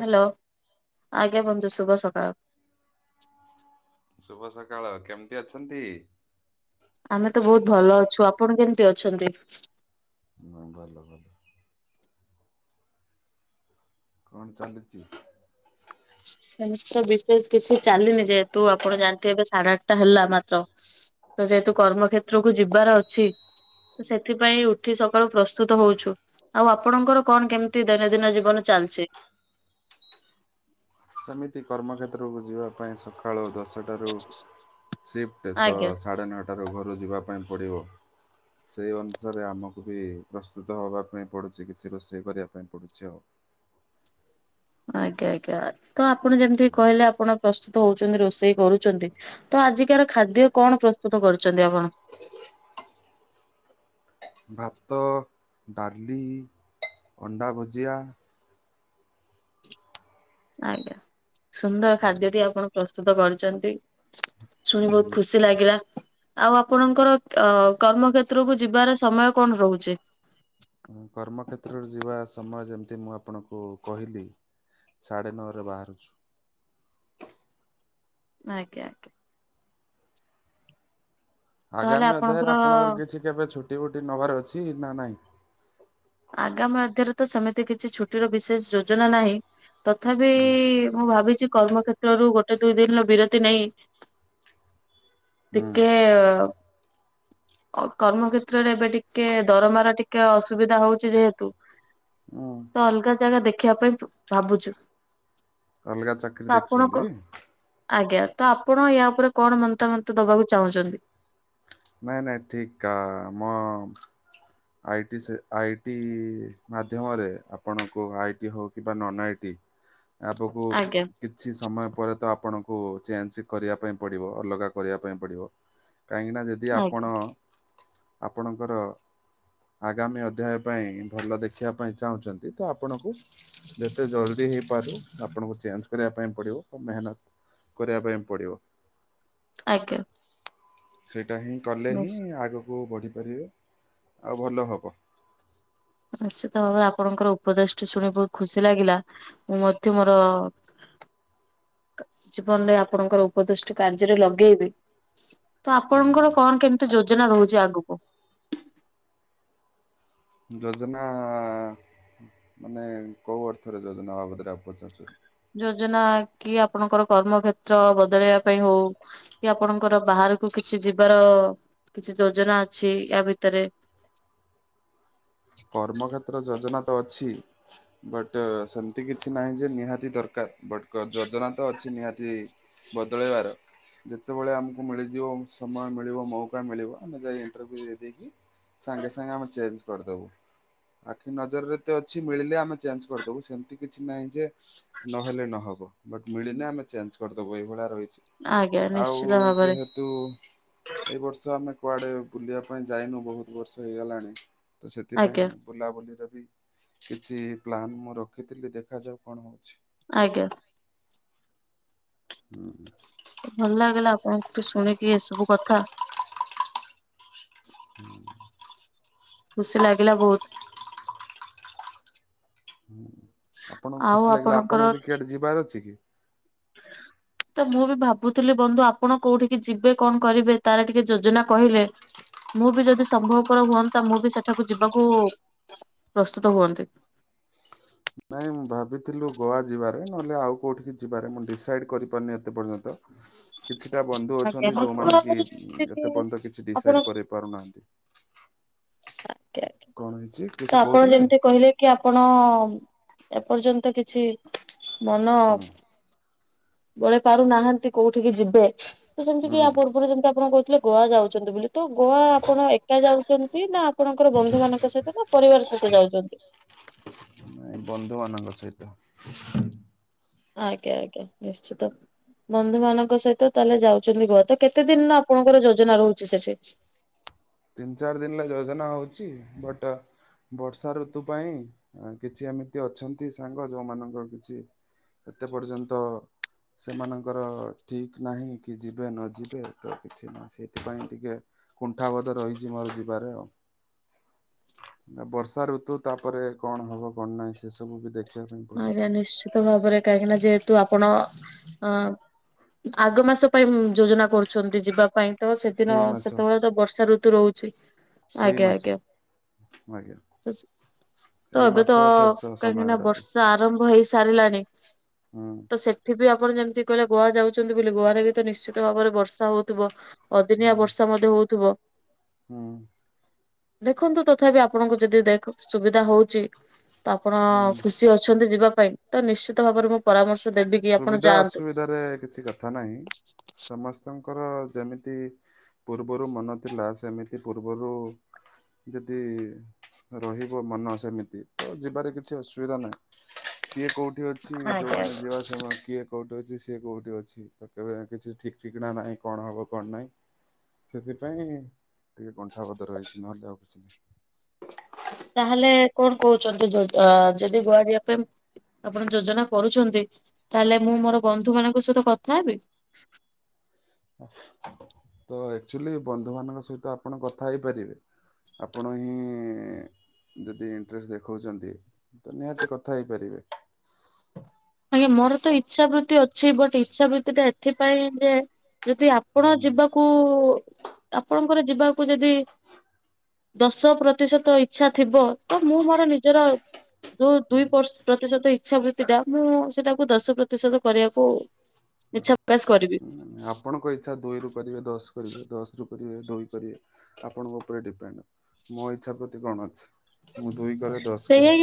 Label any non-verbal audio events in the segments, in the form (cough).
Hello, ଆଜ୍ଞା ବନ୍ଧୁ ଶୁଭ ସକାଳ। ଶୁଭ ସକାଳ। କେମିତି ଅଛନ୍ତି? ଆମେ ତ ବହୁତ ଭଲ ଅଛୁ। ଆପଣ କେମିତି ଅଛନ୍ତି? ହ ଭଲ ଭଲ (inaudible) କଣ ଚାଲିଛି? ଏମିତ୍ର ବିଶେଷ କିଛି ଚାଲିନି ଯେହେତୁ ଆପଣ ଜାଣିଥିବେ ଏବେ ସାଢେ ଆଠଟା ହେଲା ମାତ୍ର ତ ଯେହେତୁ କମ୍ରକ୍ଷେତ୍ର କୁ ଯିବାର ଅଛି। ସେଥିପାଇଁ ଉଠି ସକାଳୁ ପ୍ରସ୍ତୁତ ହଉଛୁ। ଆଉ ଆପଣଙ୍କର କଣ କେମିତି ଦୈନନ୍ଦିନ ଜୀବନ ଚାଲିଛି? ସେମିତି କର୍ମକ୍ଷେତ୍ରକୁ ଯିବା ପାଇଁ ସକାଳୁ ଦଶଟା ସିଫ୍ଟି ଦ ଆଜ୍ଞା ସାଢ଼େ ନଅଟାରୁ ଘରୁ ଯିବା ପାଇଁ ପଡିବ। ସେଇ ଅନୁସାରେ ଆମକୁ ବି ପ୍ରସ୍ତୁତ ହବା ପାଇଁ ପଡୁଛି କିଛି ରୋଷେଇ କରିବା ପାଇଁ ପଡୁଛି ଆଉ। ଆଜ୍ଞା ଆଜ୍ଞା ତ ଆପଣ ଯେମିତି କହିଲେ ଆପଣ ପ୍ରସ୍ତୁତ ହଉଛନ୍ତି ରୋଷେଇ କରୁଛନ୍ତି ତ ଆଜିକାର ଖାଦ୍ୟ କଣ ପ୍ରସ୍ତୁତ କରୁଛନ୍ତି ଆପଣ? ଭାତ ଡାଲି ଅଣ୍ଡା ଭଜିଆ। ଆଜ୍ଞା ସୁନ୍ଦର ଆଜ୍ଞା। ଖାଦ୍ୟଟି ଆପଣ ପ୍ରସ୍ତୁତ କରିଛନ୍ତି। ଶୁଣି ବହୁତ ଖୁସି ଲାଗିଲା। ଆଉ ଅପଙ୍କର ଅ କର୍ମ କ୍ଷେତ୍ରକୁ ଯିବାର ସମୟ କଣ ରହୁଛି। ହୁଁ କର୍ମକ୍ଷେତ୍ରରେ ଯିବା ସମୟ ଯେମତି ମୁଁ ଆପଣଙ୍କୁ କହିଲି। ସାଢ଼େ ନଅରେ ବାହାରୁଛୁ। ଆଜ୍ଞା। ଆଗାମୀ ଅଧ୍ୟାୟରେ ଆପଣଙ୍କର କିଛି କେବେ ଛୁଟି ଫୁଟି ନବାରେ ଅଛି ନା ନାହିଁ। ଆଗାମୀ ଅଧ୍ୟାୟରେ ତ ସେମିତି କିଛି ଚୁଟିର ବିଶେଷ ଜୋଯ ନା ହିଁ। ତଥାପି ହୁଁ ମୁଁ ଭାବିଛି କର୍ମ କ୍ଷେତ୍ରରୁ ଗୋଟେ ଦୁଇ ଦିନର ବିରତି ନେଇ ହୁଁ ଟିକେ କର୍ମକ୍ଷେତ୍ରରେ ଏବେ ଟିକେ ଦରମାର ଟିକେ ଅସୁବିଧା ହଉଛି ଯେହେତୁ ହୁଁ। ତ ଅଲଗା ଜାଗା ଦେଖିବା ପାଇଁ ଭାବୁଛୁ। ଅଲଗା ତ ଚାକିରି ଆପଣଙ୍କ ଦେଖୁଛନ୍ତି? ଆଜ୍ଞା ତ ଆପଣ ୟା ଉପରେ କଣ ମତାମତ ଦବାକୁ ଚାହୁଁଛନ୍ତି? ନାଇ ନାଇ ଠିକ କା ମ। ଆଇଦି ସେ ଟି ଆଇ ଟି ମାଧ୍ୟମରେ ଆପଣଙ୍କୁ ଆଇ ଟି ହେଉ କିମ୍ବା ନନ୍ ଆଇ ଟି ଆପକୁ ଆଜ୍ଞା କିଛି ସମୟ ପରେ ତ ଆପଣଙ୍କୁ ଚେଞ୍ଜ କରିବା ପାଇଁ ପଡିବ ଅଲଗା କରିବା ପାଇଁ ପଡିବ। କାହିଁକି ନା ଯଦି ଆଜ୍ଞା ଆପଣ ଆପଣଙ୍କର ଆଗାମୀ ଅଧ୍ୟାୟ ପାଇଁ ଭଲ ଦେଖିବା ପାଇଁ ଚାହୁଁଛନ୍ତି ତ ଆପଣଙ୍କୁ ଯେତେ ଜରୁରୀ ହେଇପାରୁ ଆପଣଙ୍କୁ ଚେଞ୍ଜ କରିବା ପାଇଁ ପଡିବ ମେହନତ କରିବା ପାଇଁ ପଡିବ। ଆଜ୍ଞା। ସେଇଟା ହିଁ କଲେ ହିଁ ନିଶ୍ଚୟ। ଆଗକୁ ବଢ଼ିପାରିବେ ଆଉ ଭଲ ହବ। ନିଶ୍ଚିତ ଭାବରେ ଆପଣଙ୍କର ଉପଦେଶଟି ଶୁଣି ବହୁତ ଖୁସି ଲାଗିଲା ମୁଁ ମଧ୍ୟ ମୋର ଜୀବନରେ ଆପଣଙ୍କର ଉପଦେଶଟି କାର୍ଯ୍ୟରେ ଲଗେଇବି। ତ ଆପଣଙ୍କର କଣ କେମିତି ଯୋଜନା ରହୁଛି ଆଗକୁ? ଯୋଜନା ମାନେ କେଉଁ ଅର୍ଥରେ ଯୋଜନା ବାବଦରେ ଆ ପଚାରୁଛନ୍ତି? ଯୋଜନା କି ଆପଣଙ୍କର କର୍ମକ୍ଷେତ୍ର ବଦଳେଇବା ପାଇଁ ହଉ କି ଆପଣଙ୍କର ବାହାରକୁ କିଛି ଯିବାର କିଛି ଯୋଜନା ଅଛି ୟା ଭିତରେ କର୍ମକ୍ଷେତ୍ର ଯୋଜନା ତ ଅଛି। ବଟ୍ ସେମିତି କିଛି ନାହିଁ ଯେ ନିହାତି ଦରକାର। ବଟ ଯୋଜନା ତ ଅଛି ନିହାତି ବଦଳାଇବାର ଯେ ଯେତେବେଳେ ଆମକୁ ମିଳିଯିବ ସମୟ ମିଳିବ ମୌକା ମିଳିବ ଆମେ ଯାଇ ଇଣ୍ଟରଭ୍ୟୁ ଦେଇ ଦେଇକି ସାଙ୍ଗେ ସାଙ୍ଗେ ଆମେ ଚେଞ୍ଜ କରିଦବୁ। ଆଖି ନଜରରେ ଏତ ଅଛି ମିଳିଲେ ଆମେ ଚେଞ୍ଜ କରିଦବୁ, ସେମିତି କିଛି ନାହିଁ ଯେ ନହେଲେ ନହବ ବଟ ମିଳିନା ଆମେ ଚେଞ୍ଜ କରିଦବୁ, ଏଇଭଳିଆ ରହିଛି। ଆଜ୍ଞା ଆଉ ନିଶ୍ଚିତ ଭାବରେ ଯେହେତୁ। ଏଇ ବର୍ଷ ଆମେ କୁଆଡେ ବୁଲିବା ପାଇଁ ଯାଇନୁ ବହୁତ ବର୍ଷ ହେଇଗଲାଣି ତ ସେ ଆଜ୍ଞା। ସେଥିପାଇଁ ବୁଲାବୁଲିରେ ବି କିଛି ପ୍ଲାନ୍ ମୁଁ ରଖିଥିଲି ଦେଖାଯାଉ କଣ ହଉଛି। ଆଜ୍ଞା। ହୁଁ। ତ ଭଲ ଲାଗିଲା ଆପଣଙ୍କୁ ଠୁ ଶୁଣିକି ଏସବୁ କଥା। ହୁଁ। ଖୁସି ଲାଗିଲା ବହୁତ। ହୁଁ ଆପଣଙ୍କୁ ଆଉ ଖୁସି ଲାଗିଲା, ଆପଣଙ୍କର ଆପଣ ରିକେୟାଡ ଯିବାର ଅଛି କି? ତ ମୁଁ ବି ଭାବୁଥିଲି ବନ୍ଧୁ ଆପଣ କୋଉଠିକି ଯିବେ କଣ କରିବେ, ତାର ଟିକେ ଯୋଜନା କହିଲେ‌। ମୁଁ ବି ଯଦି ସମ୍ଭବପର ହୁଅନ୍ତା, ମୁଁ ବି ସେଠାକୁ ଯିବାକୁ ପ୍ରସ୍ତୁତ ହୁଅନ୍ତି। ନାଇଁ ମୁଁ ଭାବିଥିଲୁ ଗୋଆ ଯିବାରେ ନହେଲେ, ଆଉ କୋଉଠିକି ଯିବାରେ, ମୁଁ ଡିସାଇଡ କରିପାରୁନି ଏତେ ପର୍ଯ୍ୟନ୍ତ। (inaudible) କିଛିଟା ବନ୍ଧୁ ଆଜ୍ଞା ଅଛନ୍ତି ମତେ ତ ଯୋଉମାନେ କି ଆଗରୁ ଉଁ ଯେମିତି ଏତେ କି ପର୍ଯ୍ୟନ୍ତ କିଛି ଡିସାଇଡ କରି ପାରୁନାହାନ୍ତି। (inaudible) ଆଜ୍ଞା ଆଜ୍ଞା କଣ ହେଇଛି କିଛି ତ ଆପଣ କହୁଥିଲେ? ଯେମିତି କହିଲେ। କି ଆପଣ ଏପର୍ଯ୍ୟନ୍ତ କିଛି ମନ। ହୁଁ ବଳେଇ ପାରୁନାହାନ୍ତି କୋଉଠିକି ଯିବେ, ତ ସେମିତି କିି ହୁଁ ୟା ପୂର୍ବରୁ ଯେମିତି ଆପଣ କହିଥିଲେ। ଗୋଆ ଯାଉଛନ୍ତି ବୋଲି ତ ଗୋଆ ଆପଣ ଏକା ଯାଉଛନ୍ତି ନା ଆପଣଙ୍କର ବନ୍ଧୁ ମାନଙ୍କ ସହିତ। ନା ପରିବାର ସହିତ ଯାଉଛନ୍ତି। (unintelligible) ନାଇଁ ବନ୍ଧୁମାନଙ୍କ ସହିତ। ଆଜ୍ଞା ଆଜ୍ଞା ନିଶ୍ଚିତ। ବନ୍ଧୁ ମାନଙ୍କ ସହିତ ତାହେଲେ ଯାଉଛନ୍ତି ଗୋଆ ତ କେତେ ଦିନର ଆପଣଙ୍କର ଯୋଜନା ରହୁଛି ସେଠି। ତିନି ଚାରି ଦିନର ଯୋଜନା ହଉଛି ବଟ। ବର୍ଷା ଋତୁ ପାଇଁ କିଛି ଏମିତି ଅଛନ୍ତି ସାଙ୍ଗ ଯୋଉମାନଙ୍କର କିଛି। ଏତେ ପର୍ଯ୍ୟନ୍ତ। ସେମାନଙ୍କର ଠିକ ନାହିଁ କି ଯିବେ ନ ଯିବେ ତ କିଛି ନୁହଁ ସେଇଥିପାଇଁ ଟିକେ। କୁଣ୍ଠାବୋଧ ରହିଛି ମୋର ଯିବାରେ ଆଉ। ନା ବର୍ଷା ଋତୁ ତାପରେ କଣ ହବ କଣ ନାହିଁ ସେ ସବୁ ବି ଦେଖ। ଆଜ୍ଞା ନିଶ୍ଚିତ ଭାବରେ କାହିଁକି ନା ଯେହେତୁ ଆପଣ ଅଁ। ଆଗ ମାସ ପାଇଁ ଯୋଜନା କରୁଛନ୍ତି ଯିବା ପାଇଁ ତ ସେଦିନ ଏଇ ମାସ ସେତେବେଳେ ତ ବର୍ଷା ଋତୁ ରହୁଛି। ଏଇ ଆଜ୍ଞା ମାସ ଆଜ୍ଞା ଆଜ୍ଞା। ତ ଏଇ ଏବେ ମାସ ତ ଶେଷ ସମୟ କାହିଁକିନା ଆଡକୁ। ବର୍ଷା ଆରମ୍ଭ ହେଇ ସାରିଲାଣି। ହୁଁ। ତ ସେଠି ବି ଆପଣ ଯେମିତି କହିଲେ ଗୋଆ ଯାଉଛନ୍ତି ବୋଲି ଗୋଆରେ ବି ତ ନିଶ୍ଚିତ ଭାବରେ ବର୍ଷା ହଉଥିବ। ଅଦିନିଆ ହୁଁ ବର୍ଷା ମଧ୍ୟ ହଉଥିବ। ହୁଁ ଦେଖନ୍ତୁ ତଥାପି ଆପଣଙ୍କୁ ଯଦି ଦେଖ ସୁବିଧା ହଉଛି। ତ ଆପଣ ହୁଁ। ଖୁସି ଅଛନ୍ତି ଯିବା ପାଇଁ ତ ନିଶ୍ଚିତ ଭାବରେ ମୁଁ ପରାମର୍ଶ ଦେବି। କି ଆପଣ ସୁବିଧା ଯାଆନ୍ତୁ। ଅସୁବିଧାରେ କିଛି କଥା ନାହିଁ ସମସ୍ତଙ୍କର ଯେମିତି। ପୂର୍ବରୁ ମନ ଥିଲା ସେମିତି ପୂର୍ବରୁ। ଯଦି ରହିବ ମନ ସେମିତି ତ ଯିବାରେ କିଛି ଅସୁବିଧା ନାହିଁ। କିଏ କୋଉଠି ଅଛି ଆଜ୍ଞା ଯୋଉମାନେ ଆଜ୍ଞା। ଯିବା ସ କିଏ କୋଉଠି ଅଛି ସିଏ କୋଉଠି ଅଛି କେବେ କିଛି ଠିକ୍ ଠିକଣା ନାହିଁ କଣ ହବ କଣ ନାହିଁ। ସେଥିପାଇଁ ଟିକେ କୁଣ୍ଠାବୋଧ ରହିଛି ନହେଲେ ଆଉ କିଛି ନାହିଁ। ତାହେଲେ କଣ କହୁଛନ୍ତି ଯ ଅ ଯଦି ଗୋଆ ଜିବା ପାଇଁ। ଆପଣ ଯୋଜନା କରୁଛନ୍ତି ତାହେଲେ ମୁଁ ମୋର ବନ୍ଧୁ ମାନଙ୍କ ସହିତ କଥା ହେବି। ତ ଆକ୍ଚୁଲି ବନ୍ଧୁ ମାନଙ୍କ ସହିତ ଆପଣ କଥା ହେଇପାରିବେ। ଆପଣ ହିଁ। ଯଦି ଇଣ୍ଟ୍ରେଷ୍ଟ୍ ଦେଖାଉଚନ୍ତି ତ ନିହାତି କଥା ହେଇପାରିବେ। ଆଜ୍ଞା ମୋର ତ ଇଛା ବୃତ୍ତି ଅଛି ବଟ୍ ଇଚ୍ଛା ବୃତି ଟା ଏଥିପାଇଁ ଯେ ଯଦି ହୁଁ ଆପଣ ଯିବାକୁ ଆପଣଙ୍କର ଯିବାକୁ ଯୋଦି ଦଶ ପ୍ରତିଶତ ଇଚଛା ଥିବ ତ ମୁଁ ମୋର ନିଜର ଯୋଉ ଦୁଇ ପର୍ ପ୍ରତିଶତ ଇଚ୍ଛାବୃତ୍ତି ଟା ମୁଁ ସେଟାକୁ ଦଶ ପ୍ରତିଶତ କରିବାକୁ ଇଛା ପକାଶ୍ କରିବି। ଆପଣଙ୍କ ଇଚ୍ଛା ଦୁଇ ରୁ କରିବେ ଦଶ କରିବେ ଦଶ ରୁ କରିବେ ଦୁଇ କରିବେ। ଆପଣଙ୍କ ଉପରେ ଡିପେଣ୍ଡ୍ ମୋ ଇଚ୍ଛା ପ୍ରତି କଣ ଅଛି। ମୁ ଦୁଇ କରେ ଦଶ୍ କର।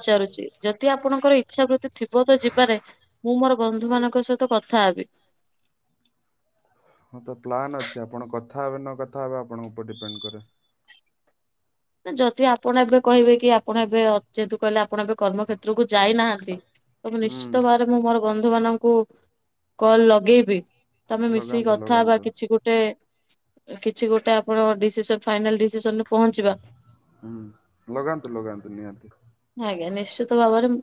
ପଚାରୁଚି ଯଦି ଆପଣଙ୍କ ଇଚ୍ଛା ବୃତ୍ତି ଥିବ ତ ଯିବାରେ ମୁଁ ମୋର ବନ୍ଧୁ ମାନଙ୍କ ସହିତ କଥା ହେବି। ହଁ ତ ପ୍ଲାନ୍ ଅଛି ଆପଣ କଥା ହେବେ ନ କଥା ହେବେ ଆପଣଙ୍କ ଉପରେ ଡିପେଣ୍ଡ କରେ। ନା ଯଦି ଆପଣ ଏବେ କହିବେ କି ଆପଣ ଏବେ ଯେହେତୁ କହିଲେ ଆପଣ ଏବେ କର୍ମକ୍ଷେତ୍ରକୁ ଯାଇନାହାନ୍ତି। ତ ମୁ ହୁଁ ନିଶ୍ଚିତ ଭାବରେ ମୁଁ ମୋର ବନ୍ଧୁ ମାନଙ୍କୁ କଲ୍ ଲଗେଇବି। ତମେ ମିଶିକି ଲଗାନ୍ତୁ କଥା ବା ଲଗାନ୍ତୁ କିଛି ଗୋ ରେ କିଛି ଗୋଟେ ଆପଣକ ଡିସିସ ଫାଇନାଲ୍ ଡିସିସନରେ ପହଞ୍ଚିବା। ହୁଁ ଲଗାନ୍ତୁ ଲଗାନ୍ତୁ ନିହାତି। ଆଜ୍ଞା ନିଶ୍ଚିତ ଭାବରେ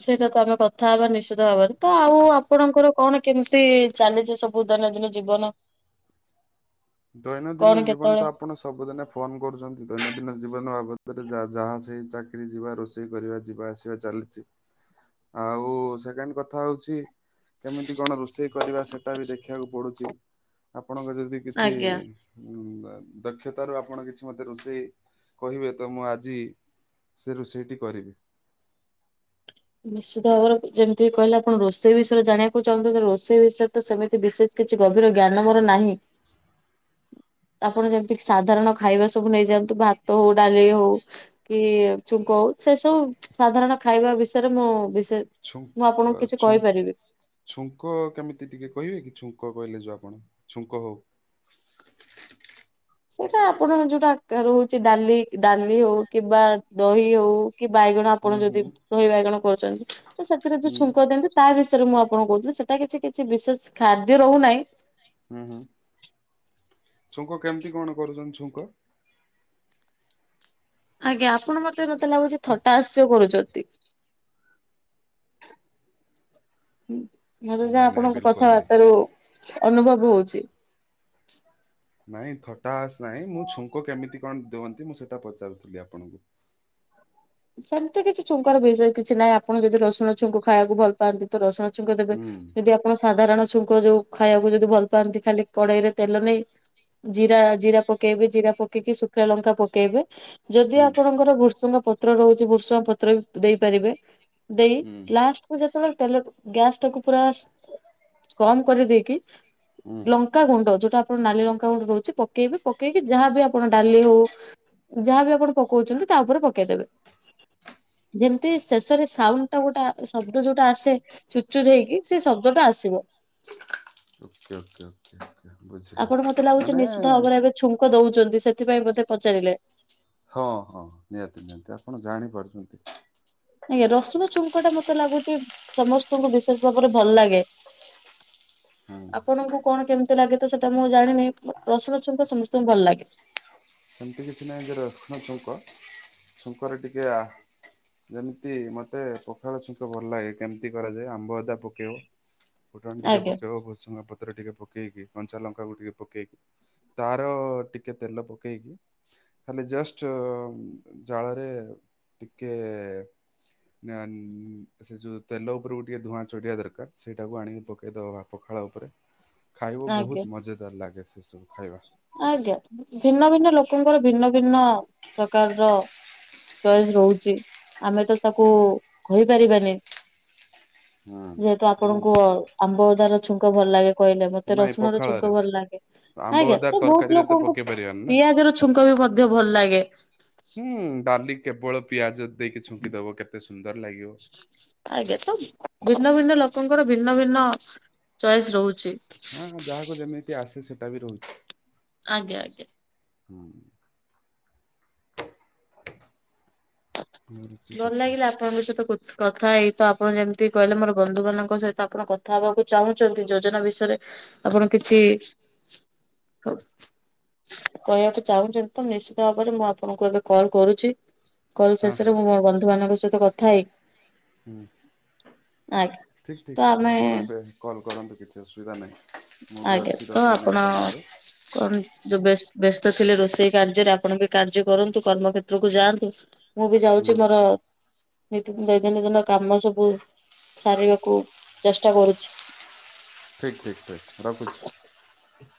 ସେଇଟା ତ ଆମେ କଥା ହେବା ନିଶ୍ଚିତ ଭାବରେ ତ ଆଉ ଆପଣଙ୍କର କଣ କେମିତି ଚାଲିଚି ସବୁ? ଉଁଦୈନନ୍ଦିନ ଜୀବନ କଣ ଦୈନନ୍ଦିନ ଜୀବନ୍ କେତେବେଳେ ତ ଆପଣ ସବୁଦିନେ ଫୋନ କରୁଛନ୍ତି ଦୈନନ୍ଦିନ ଜୀବନ ବାବଦରେ ଯା ଯାହା ସେଇ ଚାକିରରି ଯିବା ରୋଷେଇ କରିବା ଯିବା ଆସି ଯାହା ଚାଲିଚି ଆଉ ସେକେଣ୍ଡ୍ କଥା ହୋଉଚି କେମିତି କଣ ରୋଷେଇ କରିବା ସେଟା ବି ଦେଖିବାକୁ ପଡୁଚି ଆପଣଙ୍କ ଯଦି କିଛି ଆଜ୍ଞା। ହଁ ଦକ୍ଷତାରୁ ଆପଣ କିଛି ମୋତେ ରୋଷେଇ କହିବେ ତ ମୁଁ ଆଜି ସେ ରୋଷେଇଟି କରିବି। ନିଶ୍ଚିତ ଭାବରେ ଯେମତି କହିଲେ ଆପଣ ରୋଷେଇ ବିଷୟରେ ଜାଣିବାକୁ ଚାହୁଁଚନ୍ତି ରୋଷେଇ ବିଷୟରେ ତ ସେମିତି ବିଶି କିଛି ଗଭୀର ଜ୍ଞାନ ମୋର ନାହିଁ। ଆପଣ ଯେମତି ସାଧାରଣ ଖାଇବା ସବୁ ନେଇଯାଆନ୍ତୁ ଭାତ ହୋଉ ଡାଲି ହୋଉ କି ଚୁଙ୍କ ହୋଉ ସେ ସବୁ ସାଧାରଣ ଖାଇବା ବିଷୟରେ ମୁଁ ବିଶେ ମୁଁ ଛୁଙ୍କ ଆପଣଙ୍କୁ କିଛି ଛୁ- କହିପାରିବି। ଛୁଙ୍କ କେମିତି ଟିକେ କହିବେ କି ଛୁଙ୍କ କହିଲେ ଯୋ ଆପଣ ଛୁଙ୍କ ସେଇଟା ଆପଣଙ୍କ ଯୋଉଟାକାର ରୋହୁଛି ଡାଲି ଡାଲି ହଉ କିମ୍ବା ଦହି ହୋଉ କି ବାଇଗଣ ହୁଁ ଆପଣ ହୁଁ ଯୋଦି ଦହି ବାଇଗଣ କରୁଚନ୍ତି ତ ସେଥିରେ ଯୋଉ ହୁଁ ଛୁଙ୍କ ଦିଅନ୍ତି ତା ବିଷୟରେ ମୁଁ ଆପଣଙ୍କୁ କହୁଥିଲି ସେଟା କିଛି କିଛି ବିଶେଷ ଖାଦ୍ୟ ରହୁନାହିଁ। ହୁଁ ହୁଁ। ଛୁଙ୍କ କେମି୍ ତି କଣ କରୁଛନ୍ତି ଛୁଙ୍କ? ଆଜ୍ଞା ଆପଣ ମତେ ମତେ ଲାଗୁଛି ଥଟାସ୍ ସେ କରୁଚନ୍ତି। ମତେ ଯାହା ନାଇଁ ନାଇଁ ଆପଣଙ୍କ ବିଲକୁଲ ନାଇଁ କଥାବାର୍ତ ରୁ ଅନୁଭବ ହୋଉଚି। ନାଇଁ ଥଟାସ୍ ନାହିଁ ମୁଁ ଛୁଙ୍କ କେମିତି କଣ ଦିଅନ୍ତି ମୁଁ ସେଟା ପଚାରୁଥିଲି ଆପଣଙ୍କୁ। ସେମିତି କିଛି ଛୁଙ୍କାର ବିଷୟ କିଛି ନାହିଁ ଆପଣ ଯଦି ରସୁଣ ଛୁଙ୍କ ଖାଇବାକୁ ଭଲ୍ ପାନ୍ତି ତ ରସୁଣ ଛୁଙ୍କ ଦେବେ ହୁଁ ଯଦି ଆ ଆପଣ ସାଧାରଣ ଛୁଙ୍କ ଯୋଉ ଖାଇବାକୁ ଯଦି ଭଲ ପାଆନ୍ତି ଖାଲି କଡେଇରେ ତେଲ ନେଇ ଜିରା ଜିରା ପକେଇବେ ଜିରା ପକେଇକି ଶୁଖିଲା ଲଙ୍କା ପକେଇବେ। ଯୋଦି ହୁଁ ଆପଣଙ୍କର ଭୃସୁଙ୍ଗ ପତ୍ର ରହୁଛି ଭୃସୁଙ୍ଗ ପତ୍ର ଦେଇପାରିବେ। ଦେଇ ହୁଁ ଲାଷ୍ଟକୁ ଯେତେବେଳେ ତେଲ ଗ୍ୟାସ୍ ଟାକୁ ପୁରା କମ୍ କରିଦେଇକି ହୁଁ ଲଙ୍କାାଗୁଣ୍ଡ ଯୋଉଟା ଆପଣ ନାଲି ଲଙ୍କାାଗୁଣ୍ଡ ହୋଉଚି ପକେଇବେି ପକେଇକି ଯାହାବି ଆପଣ ଡାଲି ହୋଉ ଯାହାବି ଆପଣ ପକଉଛନ୍ତି ତା ଉପରେ ପକେଇଦେବେ। ଯେମିତି ଶେଷରେ ସାଉଣ୍ଡ ଟା ଗୋଟା ଶବ୍ଦ ଯୋଉଟା ଆସେ ଛୁଚୁର ହେଇକି ସେ ଶବ୍ଦ ଟା ଆସିବ। ଓକେ ଓକେ ଓକେ ବୁଝି ଆପଣ ମତେ ଲାଗୁଛି ନିଶ୍ଚିତ ଭାବରେ ଏବେ ଛୁଙ୍କ ଦଉଛନ୍ତି ସେଥିପାଇଁ ମୋତେ ପଚାରିଲେ? ହଁ-ହଁ ନିହାତି-ନିହାତି ଆପଣ ଜାଣିପାରୁଛନ୍ତି। ଆଜ୍ଞା ରସୁଣ ଚୁଙ୍କ ଟା ମତେ ଲାଗୁଚି ସମସ୍ତଙ୍କୁ ବିଶେଷ ଭାବରେ ଭଲ ଲାଗେ। ହୁଁ ଆପଣଙ୍କୁ କଣ କେମିତି ଲାଗେ ତ ସେଟା ମୁଁ ଜାଣିନି ବ ରସୁଣ ଛୁଙ୍କ ସମସ୍ତଙ୍କୁ ଭଲ ଲାଗେ। ସେମିତି କିଛି ନାହିଁ ଯୁ ରଶୁଣ ଝୁଙ୍କ, ଝୁଙ୍କ ରେ ଟିକେ ଆ ଯେମିତି ମତେ ପଖାଳ ଛୁଙ୍କ ଭଲ ଲାଗେ କେମିତି କରାଯାଏ ଆମ୍ବ ଅଦା ପ କେଇବ ଫୁଟନ ଟିକେ ଆଜ୍ଞା ପକେଇବ ଭୂଷିଁଙ୍ଗା ପତ୍ର ଟିକେ ପକେ ପକେଇକି କଞ୍ଚା ଲଙ୍କାକୁ ଟିକେ ପକେଇକି ତାର ଟିକେ ତେଲ ପକେଇକି ଖାଲି ଜଷ୍ଟ ଜାଳରେ ଟିକେ ନାଁ ନି ସେ ଯୋଉ ତେଲ ଉପରେ ଟିକେ ଧୂଆଁ ଚଡିବା ଦରକାର ସେଇଟାକୁ ଆଣିକି ପକେଇଦବା ପଖାଳ ଉପରେ ଖାଇବ ଆଜ୍ଞା ବହୁତୁ ମଜାଦାର ଲାଗେ ସେସବୁ ଖାଇବା। ଆଜ୍ଞା ଭିନ୍ନ ଭିନ୍ନ ଲୋକଙ୍କର ଭିନ୍ନ ଭିନ୍ନ ପ୍ରକାର ର ଚଏସ୍ ରହୁଛି ଆମେ ତ ତାକୁ କହିପାରିବାନି ହୁଁ ଯେହେତୁ ମୁଁ ଆପଣଙ୍କୁ ଆମ୍ବ ଅଦାର ଛୁଙ୍କ ଭଲ ଲାଗେ କହିଲେ ମତେ ମତେ ନାଇଁ ରସୁଣ ର ଝୁଙ୍କ ପଖାଳରେ ଭଲ ଲାଗେ। ଆମ୍ବ ଆଜ୍ଞା ଅଦା ତ ବହୁତ ତରକାରୀରେ ତ ଲୋକଙ୍କୁ ପକେଇ ପାରିବାନି ନା ପିଆ ଜର ଛୁଙ୍କ ବି ମଧ୍ୟ ଭଲ ଲାଗେ। ହୁଁ, ଡାଲି କେବଳ ପିଆଜ ଦେଇକି ଛୁଙ୍କିଦବ କେତେ ସୁନ୍ଦର ଲାଗିବ। (inaudible) ଆଜ୍ଞା ତ ଭିନ୍ନ ଭିନ୍ନ ଲୋକଙ୍କର ଭିନ୍ନ ଭିନ୍ନ ଚଏସ୍ ରହୁଛି। ହଁହଁ ଯାହାକୁ ଯେମିତି ଆସେ ସେଇଟା ବି ରହୁଛି। ଆଜ୍ଞା ଆଜ୍ଞା। ହୁଁ। ରହୁଛି ଭଲ କଥା ଲାଗିଲା ଆପଣଙ୍କ ସହିତ କଥ କଥା ହେଇ ତ ଆପଣ ଯେମିତି କହିଲେ ମୋର ବନ୍ଧୁ ବନ୍ଧୁ ମାନଙ୍କ ସହିତ ଆପଣ କଥା ହବାକୁ ଚାହୁଁଛନ୍ତି ଯୋଜନା ବିଷୟରେ ଆପଣ କିଛି ହଉ କହିବାକୁ ଚାହୁଁଛନ୍ତି ତ ନିଶ୍ଚିତ ଭାବରେ ମୁଁ ଆପଣଙ୍କୁ ଏବେ କଲ୍ କରୁଛି। କଲ ହଁ ଶେଷରେ ହଁ ମୁଁ ମୋ ବନ୍ଧୁ ମାନଙ୍କ ସହିତ କଥା ହେଇ ହୁଁ ଆଜ୍ଞା ଠିକ୍ ତ ଠିକ୍ ଆମେ ଆପଣ ଏବେ କଲ କରନ୍ତୁ। କିଛି ଅସୁବିଧା ନାହିଁ ମୁଁ ବି ଅଛି ଦଶ ମିନିଟ୍ ପାଇଁ ଏବେ। କନ୍ ଯୋଉ ବ୍ୟସ୍-ବ୍ୟସ୍ତ ଥିଲେ ରୋଷେଇ କାର୍ଯ୍ୟରେ ଆପଣ ବି କାର୍ଯ୍ୟ କରନ୍ତୁ କର୍ମ କ୍ଷେତ୍ର କୁ ଯାଆନ୍ତୁ। ମୁଁ ବି ଯାଉଛି ହୁଁ ମୋର ନୀତି ଦୈନନ୍ଦିନ କାମ ସବୁ ସାରିବାକୁ ଚେଷ୍ଟା କରୁଛି। ଠିକ ଠିକ ଠିକ ରଖୁଛି।